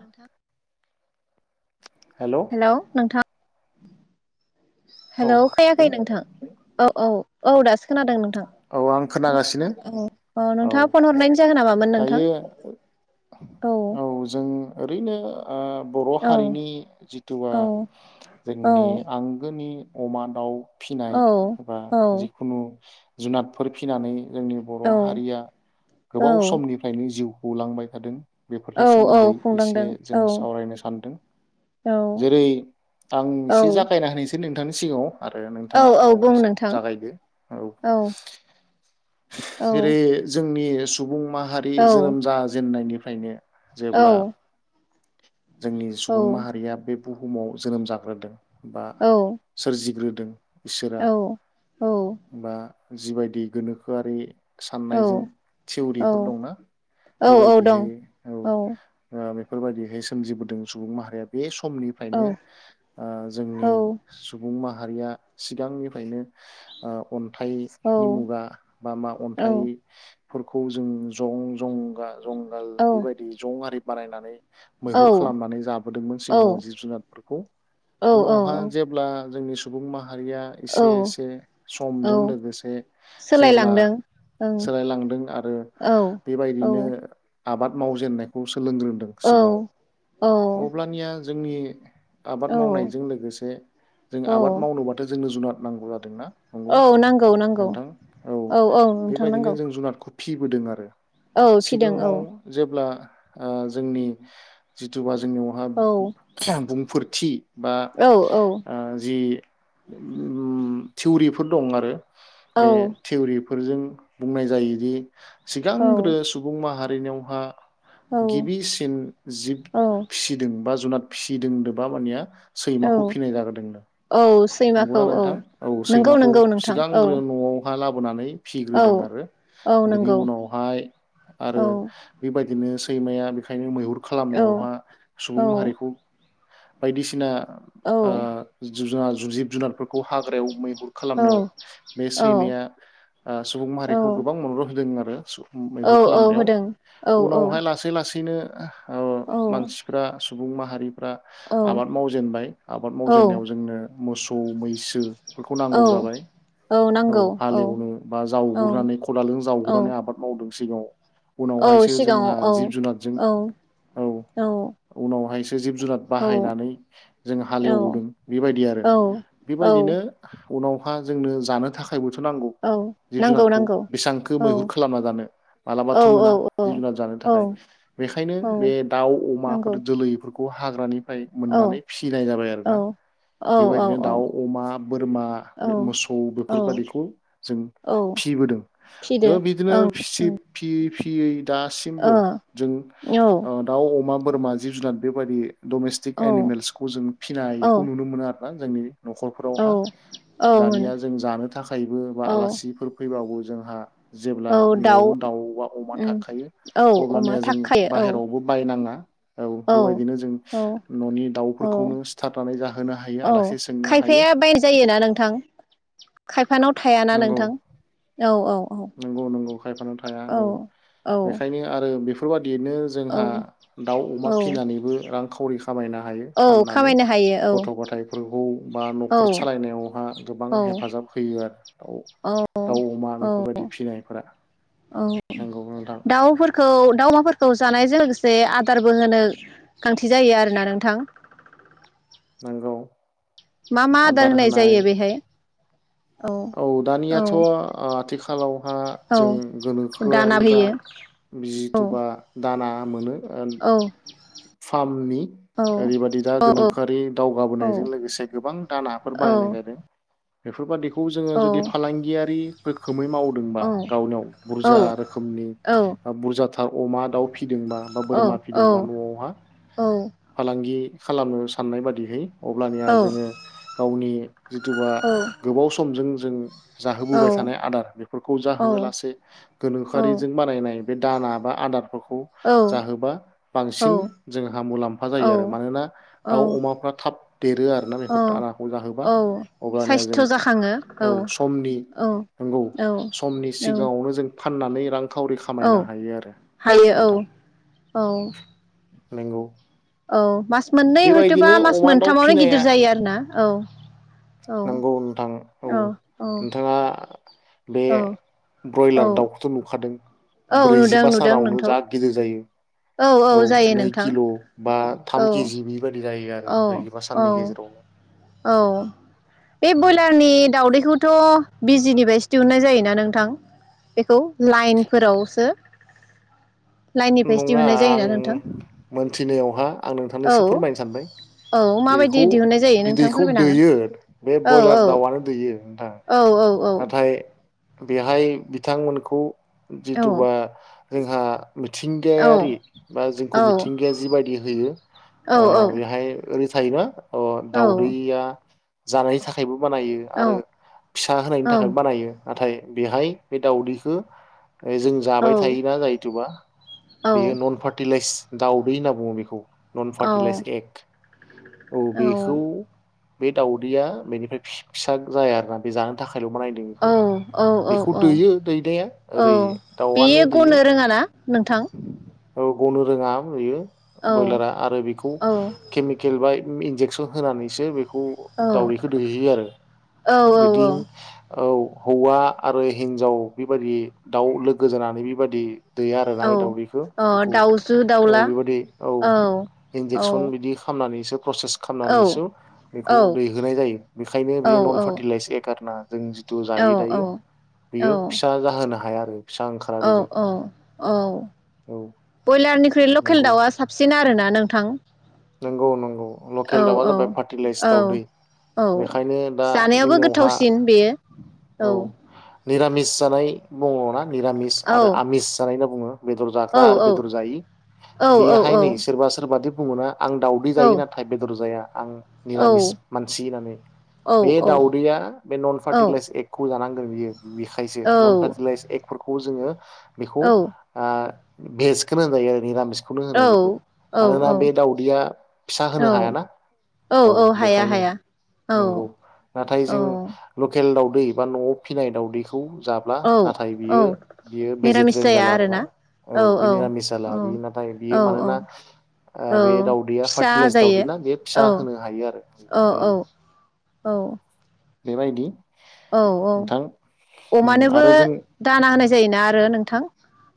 नोंथां हेल नोंथां हेलौ खैयाखै खोनादों नोंथां अ औ औ दा खोनादों नों थां औ आं खोनागासिनो ओ ओ औ नोंथाङा फन हरनायनि जागोना मामोन नोंथां दायो औ औ जों ओरैनो ओ बर औ हारिनि जिथुआ औ औ जोंनि आंगोनि अमा दाउ औ फिनाय बा औ जिखुनु जुनादफोर फिनानै जोंनि औ बर' हारिया औ गोबाव समनिफ्रायनो जिउ होलांबाय थादों औ बेफोरनि औ सोमोन्दै एसे खुंलांदों जों औ सावरायनो सानदों औ जेरै आं औ एसे जागायना होनोसै नोंथांनि सिगाङाव आरो औ नोंथाङा औ बुं उनावसे नोंथां जागायदो औ औ जेरै- जोंनि सुबुं माहारि औ जोनोम जाजेननायनि फ्रायनो औ जेब्ला जोंनि सुबुं माहारिया बे बुहुमाव जोनोम जाग्रोदों बा औ सोरजिग्रो इसोरा औ बा जिबायदि गोनोखोआरि साननायजों औ थिवरिफोर दंना औ औ बेबायदिहै दं औ फोर बायदि सोमजिबोदों सुबुं माहारिया बे औ समनिफ्रायनो जोंनि औ सुबुं माह माहारिया सिगांनिफ्रायनो अन्थाइनि मुगा बा मा अन्थाइ फोरखौ जों जं जंगा जंगाल औ बेबायदि जं आरि बानायनानै औ मैहुर खालामनानै जाबोदोंमोन औ सिगाङाव जिब जुनारफोरखौ, औ औ उनावहा जेब्ला जोंनि सुबुं माहा माहारिया एसे औ एसे समजों औ लोगोसे जेब्ला सोलायलांदों ओं सोलायलांदों आरो औ औ बेबायदिनो आबाद मावजेननायखौ सोलोंग्रोदों औ सिगाङाव औ अब्लानिया जोंनि आबाद मावनायजों लोगोसे जों औ आबाद मावनोबाथ जोंनो जुनाद नांगौ जादोंना? नंगौ औ नांगौ नांगौ नोंथां औ बेबायदिनो जों जुनादखौ फिबोदों आरो औ फिदों औ सिगाङाव जेब्ला ओ जोंनि जि [unintelligible] जोंनियावहा औ [unintelligible] बुंफोर थि बा औ ओ जि ओम थिउरिफोर दं आरो। औ बे थिउरि फोरजों बुंनाय जायोदि औ सिगांग्रो सुबुं माहा रिनेवहा गिबिसिन जिब औ फिसिदों बा जुनाद फिसिदों दोबा मानिया औ सैमाखौ फिनाय जाग्रोदोंनो औ सैमाखौ नंगौना नोंथां? औ नंगौ सैमाखौ नंगौ नोंथां औ सिगांग्रो न'आव हा लाबोनानै औ फिग्रोदों आरो औ बिनि नंगौ उनावहाय आरो औ बेबाय बिदिनो सैमाया बेखायनो मैहुर औ खालामनायाव सुबुं औ माहारिखौ बायदिसिना औ ओह जुब जुनार जुब जिब जुनारफोर खौ हाग्रायाव मैहुर औ खालामनायाव बे औ सैमाया आह सुबुं माहारिखौ गोबां औ मदद होदों [unintelligible] [unintelligible] मैहुर औ खालामनायाव होदों औ औ उनावहाय लासै लासै बिदिनो औ मानसिफ्रा सुबुं माहारि फ्रा औ आबाद मावजेनबाय आबाद औ मावजेननायाव जोंनो मोसौ मैसोफोरखौ नांगौ औ जाबाय। औ नांगौ औ हालेवनो बा औ जावग्रोनानै खदालजों जावग्रोनानै औ आबाद मावदो सिगाङाव औ उनावहायसो सिगाङाव जोंहा जिब औ जुनादजों औ औ उनावहाय जिब जुनाद औ बाहायनानै जों औ हालेवदों बेबायदि आरो औ बेबायदिनो औ उनावहा जोंनो जानो थाखायबोथ' नांगौ औ जिब नांगौ जुनादखौ नांगौ बेसांखो औ मैहुर खालामना जानो औ मालाबाथ' मोना औ जिब औ जुनाद जानो औ थाखाय बेखायनो औ बे दाउ अमाफोर नांगौ जोलैफोरखौ खौ हाग्रानि फ्राय औ मोननानै फिसिनाय जाबाय आरो औ ना औ बेबायदिनो दाउ अमा बोरमा औ मोसौ बे बेफोर बादिखौ जों औ फिबोदों फिदो ओ बिदिनो फि सि फि फि यै दासिमबो ओं जों ओं ओ दाउ अमा बोरमा जिब जुनाद बेबायदि डमेस्टिक ओ औ एनिमेल्सखौ जों औ फिनायखौ नुनो मोनो आ [inaudible] जोंनि औ न'खरफोरावहा औ मोनो दानिया जों लानो थाखायबो बा औ आलासिफोर फै गोआवबो जोंहा जेब्ला नवावबो दाउ बा अमा उम थाखायो औ अमा अब्लानिया जोंनि थाखायो औ बाहेरायावबो बायनाङा औ बेबायदिनो जों औ ननि औ दाउफोरखौनो सिथारनानै जाहोनो हायो औ आलासि सोंनो हायो खायफाया खाय फानाव थायाना नंगौ नोंथां औ औ औ नंगौ नंगौ खायफानाव थाया औ औ बेखायनो आरो बे बेफोरबा बेनो जोंहा औ दाउ अमा औ फिसिनानैबो रां खावरि खामायनो हायो औ फाननानै खामायनो हायो औ गथ गथायफोरखौ बा औ नखर सालायनायावहा गोबां औ हेफाजाब होयो आरो औ दाव अमा औ बो बायदि फिसिनायफोरा औ नोंगौ नोंथां फोरखौ जानायजों लोगोसे आदारबो होनो गोनांथि जायो आरोना नोंथां नोंगौ मा मा आदार होनाय जायो बेहाय औ औ दानियाथ आथिखालावहा जों औ दाना गोनोखोआरि बा होयो औ जिथुबा दाना मोनो औ फार्मनि औ ओरैबायादि दा औ औ गोनोखोआरि औ दावगाबोनायजों लोगोसे गोबां दा नाफोर बानायनाय जादों बेफोरबादि खौ जोङो जुदि फालांगियारि रोखोमै मावदोंबा गावनियाव बुरजा रोखोमनि ओ बुरजा हा अमा दाउ फि फिदोंबा बा बोरमा फिदोंबा न मा फालांगि खालामनो साननाय बादिहै अब्लानिया जोङो गावनि जिथुबा गोबाव समजों जो जों जाहोबोबाय थानाय आदार बेफोरखौ जाहोआलासे गोनोखोआरिजों बानायनाय बे दाना बा आदारफोरख खौ जाहोबा बांसिन। जोंहा मुलाम्फा जायो आरो मानोना औ दाउ अमाफ्रा थाब देरो आरोना बेफोर औ दानाखौ जाहोबा औ अब्लानिया जों साइस्थ' जाखाङो औ समनि औ नंगौ औ समनि औ सिगाङावनो जों। फाननानै रां खावरि औ खामायनो हायो आरो हायो नोंथां। औ नंगौ। औ मास मोननै हयथबा बेबायदिनो मास अमा दाउ मोनथामावनो गिदिर जायो आरोना औ। नोंगौ नोंथां। औ औ नोंथाङा बे औ औ ब्रयलार दाउखौथ नुखादों? औ नुदों ब्रैजिबा नुदों सानावनो नोंथौ जा गिदिर जायो। औ नै किल' बा थाम औ केजि बिबा दि जायो आरो औ ब्रैजिबा साननि औ गेजेरावनो। औ बे ब्रयलारनि दावदैखौथ बि जिनिफ्रायसो दिहुननाय जायोना नोंथां बेखौ लाइनफोरावसो लाइननिफ्रायसो नङा दिहुननाय आं जायोना नोंथां मोनथिनायावहा आं नोंथांनो एसे औ फोरमायनो सानबाय औ माबायदि बेखौ दिहुननाय जायो बि नोंथां दैखौ फोरमायनो दैयो बे ब्रयलार हागोन दाउआनो दैयो नोंथां। औ औ नाथाय बेहाय बिथांमोनखौ जिथु बा जोंहा औ औ मिथिंगायारि बा औ जोंखौ मिथिंगाया जिबायदि होयो औ ओ बेहाय ओरै थायबा अ दाउदैया जानायनि थाखायबो बानायो आरो फि सा होनायनि थाखायबो बानायो। नाथाय बेहाय बे दावदैखो ए जों जाबाय थायोना जायोतुबा बेयो नन फार्टिलाइस। दाउदै होनना बुङो बिखौ। Non fertilize egg. औ बेखौ बे दाउदैया बेनिफ्राय फि-फिसा जाया आरोना। बे जानो थाख खायल' बानायदों बिखौ औ औ बिखौ औ दैयो दैनाया औ ओरै दाउआनो बेयो दैयो। गनो रोङाना नोंथां औ ग'नो रोङा बेयो। औ बयलारा आरो बिखौ औ केमिकेल बाय उम इनजेक्सन होनानैसो बे खौ औ दाउदैखो दैहोयो आरो। औ औ औ बिदिन औ हौवा आरो हिनजाव बेबादि दाउ लोगो जानानै बेबादि। दैया आरोना औ बे दाउदैखौ अ बेखौ दाउजो औ दाउला बेबादि औ औ इनजेक्सन बिदि खामनानैस प्रसेस औ खामनानैसो बेखौ दैहोनाय जायो बेखायनो औ बेयो नन फार गारना जों तु जायो दायो औ बियो फिसा जाहोनो हाया। आरो फिसा ओंखारा औ बेजों औ। औ औ बयलारनिख्रुइ लखेल नंगौ दाउआ साबसिन आरो ना? नोंथां। नोंगौ नंगौ। औ लकेल दाउआ जाबाय औ फार्टिलाइस दाउदै औ औ बेखायनो दा जानायावबो जोंनियावहा गोथावसिन बेयो औ निरामिस जानाय बुङ‌ना निरामिस आरो औ आमिस जानायन बेदर औ जाग्रा आरो बेदर जायि औ बेहाय नै औ सोरबा सोरबादि बुङोना आं दाावदै औ जायो नाथाय बेदर जाया आं औ निरामिस औ मानसि होननानै बे दाउदैया बे नन फार्टिलाइस एकगखौ जानांग बियो। बिखायसे नन फार्टिलायज एग। फोरखौ जोङो। बेखौ आ- बेसखौनो होनजायो आरो निरामिस। खौनो औ होनो बेखौ मानोना बे दाव। आ फिसा औ होनो हायाना औ बेखायनो औ नंगौ नाथाय जों औ लखेल। एल दाावदै बा न'आव फसिनाय दावदैख खौ जाब्ला औ नाथाय औ बियो बियो मिरामिस भेजिटेरियान जाया जाला आर ना आरोना औ बियो निरामिस जाला औ बियो नाथाय बियो औ औ मानोना औ ओ-बे। दैया फिसा फार्टिलाइस आजायो दावदै ना बे फिसा औ होनो हायो औ औ आरो। औ बेबायदि। औ औ नोंथां उम अमानोबो आरो जों दाना होनाय जायोना आरो नोंथां।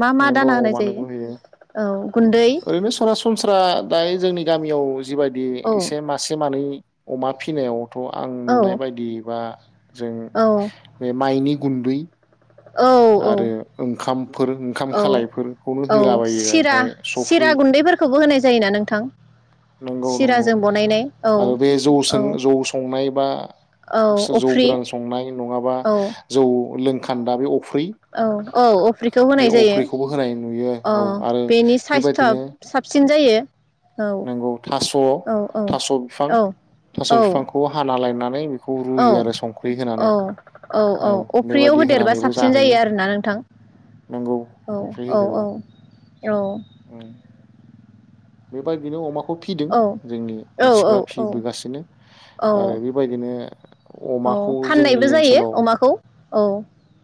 मा मा नोंगौ दाना होनाय मानोबो जायो होयो औ गुन्दै। सनस्रा दायो जोंनि गामियाव। जिबायदि औ एसे मासे मानै। अमा फिनायाव। थ' आं औ नुनाय बायदि बा। जों बे माइनि। गुन्दै औ औ आरो ओंखामफोर ओंखाम औ खालायफोरखौनो औ होलाबायो सिरा ओमफ्राय सफै सिरा गुन्दैफोरखौबो होनाय जायोना नोंथां नंगौ नंगौ सिराजों बनायनाय औ आरो बे जौ सों औ जौ संनाय बा औ सो-जौ अफ्रि गोरान संनाय नङाबा औ जौ लों। खान्दा बे अ औ औ अफ्रिखौ होनाय जायो अफ्रिखौबो होनाय नुयो औ आरो बेनि साइसथ'आ बेबायदिनो साबसिन जायो। [inaudible] नंगौ थास' औ औ थास' बिफां औ थास' औ बिफांखौ हाना लायनान। नै। औ औ औ औ अफ्रियाव बेबायदि होदेरबा होनानैबो साबसिन जाहोयो जायो आरोना नोंथां नंगौ औ औ औ। औ उम। बेबायदिनो अमाख खौ फिदों औ जोंनि औ मानसिफ्रा औ फिबोगासिनो औ आरो बेबायदिनो औ अमाखौ जोंनि फाननायबो जायो ओनसोलाव अमाखौ औ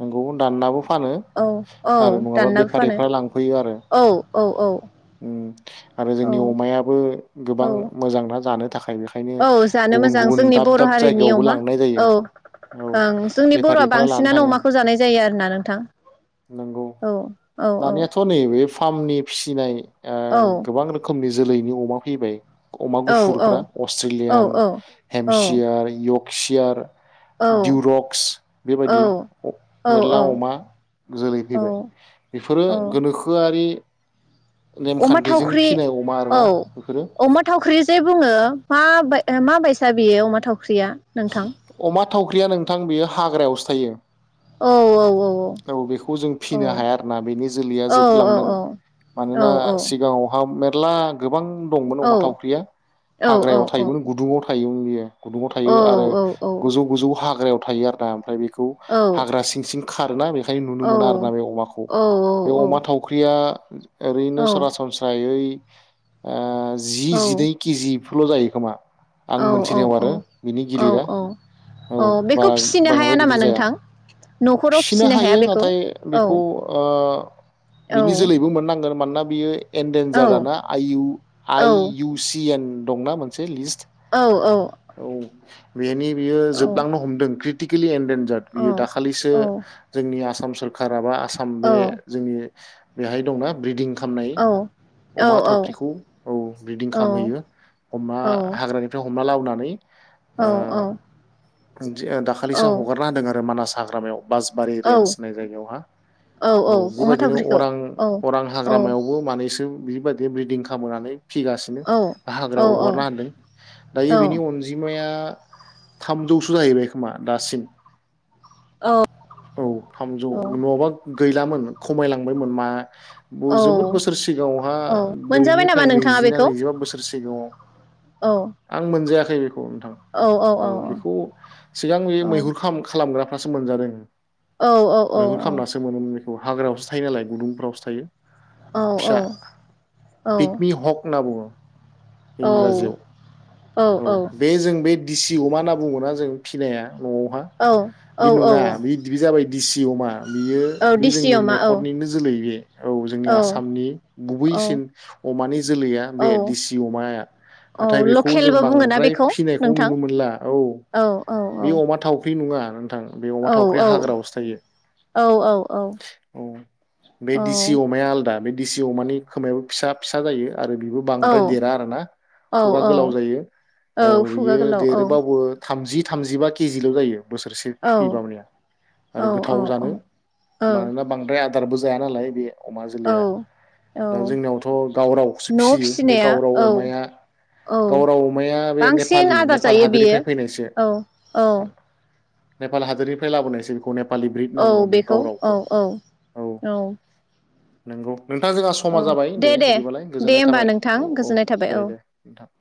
नंगौ। रावनाबो फ फानो औ औ आरो नङाबा दाननाबो फानो बेफारिफ्रा लांफैयो आरो औ औ औ उम। औ जोंनि अमायाबो औ गोबां मोजां ना। मोजाङानो औ जानो मोजां जोंनि बर' दाब हारिनि जायगायावबो अमा लांनाय जायो औ औ ओं जोंनि बर'आ बेफारिफ्रा लानो बांसिनानो थाङो अमाखौ जानाय जायो आरो ना नोंथां नंगौ औ औ औ । फामनि फिसिनाय ओं गोबां रोखोमनि जोलैनि अमा फैबाय । अमा गुफुरफ्रा अस्ट्रेलियान हेमसियार यक। खिसियार दिउरक्स बेबायदि औ मेरला अमा जोलै औ फैबाय बेफोरो औ गोनोखोआरि अमा नेमखान्थिजों थावख्रि फिनाय अमा औ आरोना बेफोरो अमा थावख्रि जे बुङो मा बाय ओ मा बायसा बेयो अमा थाव ख्रिया नोंथां? अमा थावख्रिया नोंथां बेयो हाग्रायावसो थायो। औ औ औ बेखौ जों औ फिनो हाया आरोना बेनि जोलैया औ औ जोबलांदों औ मानोना सिगाङावहा मेथ फ्ला गोबां दंमोन औ अमा थावख्रिया औ हाग्रायाव थायोमोन गुदुङाव थायोमोन बियो गुद थायो आरो गोजौ गोजौ हाग्रायाव थायो आरो ना ओमफ्राय बे खौ हाग्रा सिं सिं खारोना बेख खाय नुनो मोना आरोना बे अमाखौ बे अमा थावख्रिया ओरैनो सरासनस्रायै ओ जि जिनै केजिब फुल' जायो खोमा। आं मोनथिनायाव आरो औ । औ औ। औ बेखौ बारा फिसिनो हाया बांद्राय गिदिर नामा जाया नोंथां न'खराव फिसिनो हाया हायो। बेखौ नाथाय औ बेखौ ओ औ बिनि जोलैबो मोननांगोन मानोना बियो औ एनडेनजार ना आइ इउ औ आइ इउ सि एन दं ना मोनसे लिस्ट औ औ। बेनि बियो औ जोबलांनो हमदों [unintelligible] तिकिलि एन देनजार्ड औ बियो दाखालिसो औ जोंनि आसाम सरखार आबा साम औ बे जोंनि बेहाय दं ना ब्रिदिं खामनाय औ अमा थावख्रिखौ औ ब्रिदिं खामहैयो अमा हाग्रानिफ्राय हम मालावनानै औ औ। [unintelligible] दाखालिसो आं हगारना होदों आं दा मानास हाग्रामायाव। बासबारि औ रेन्ज होननाय जायगायावहा, औ अमा बेबायदिनो थावख्रिखौ अरां औ अरां औ हाग्रामायावबो मानैसो बिबायदि ब्रिदिं खामहोनानै फिगासिनो औ औ हाग्रायाव अगारना होदों दायो बिनि अनजिमाया थामजौसो जाहैबाय खोमा दासिम। औ औ थामजौ औ नङाबा गैलामोन खमायलांबायमोन मा बु औ जोबोद बोसोर सिगाङावहा मोनजाबाय नामा दोनैनिफ्राय नोंथाङा नैजि ना बेखौ नैजिबा बोसोर सिगाङाव औ आं मोनजाया याखै बेखौ। औ औ। औ बेखौ सिगां बै मैहुर खाम-खालामग्राफ्रासो मोनजादों। औ औ औ मैहुर औ। खालामनासो [unintelligible] हाग्रायावसो थायो नालाय गुदुंफ्रावसो थायो। औ फिसा पिगमि ह'क होनना बुङो। इंराजियाव औ औ । बे जों बे दिसि अमा होनना बुङ'ना जों फिनाया न'आवहा औ बे औ नङा औ बे जाबाय दिसि अमा बियो औ बि दिसि जोंनि अमा औ न'खरनिनो जोलै बे औ जोंनि आसामनि औ गुबैसिन अमानि जोलैया औ बे दिसि अमाया औ नाथाय बेखौ लकेलबो बुङोना बांद्राय बेखौ फिसिनायखौ नोंथां नुनो मोनला औ औ बे अमा थाव [unintelligible] बुङा । थां बे अमा औ थावख्रिया औ हाग्रायावसो थायो औ औ औ बे दिसि अमाया आलदा दिसि अमानि खोमायाबो फिसा फिसा जायो। आरो बेबो औ बांद्राय देरा आरोना औ खुगा औ गोलाव जायो औ खुगा बियो गोलाव औ देरोबाबो थामजि थामजिबा केजिल' जायो। बोसोरसे औ फ्रिमाबाया आरो औ गोथाव औ जानो औ मानोना बांद्राय आदारबो जाया नालाय बे अमा जोलैया औ औ दा जोंनियावथ' गावरावखौसो न'आव फिसियो बे फिसिनाया गावराव औ अमाया औ गावराव अमाया बे बांसिन नेपालि आदार नेपाल जायो बेयो हादोरनिफ्राय फैनायसो। औ औ नेपाल हादरनिफ्राय लाबोनायसै बेखौ ने औ बेखौ औ औ औ। नोंगौ। नोंथां जोंहा समा जाबाय दे बिदिबालाय दे गोजोननाय होमबा थाबाय नोंथां औ औ गोजोननाय थाबाय दे औ दे नोंथां।